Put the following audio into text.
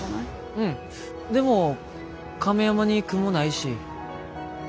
うんでも亀山に雲ないし。